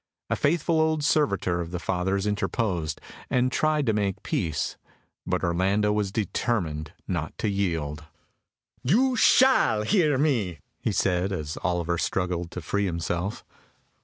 A faithful old servitor of their father's interposed, and tried to make peace, but Orlando was determined not to yield. "You shall hear me," he said, as Oliver struggled to free himself.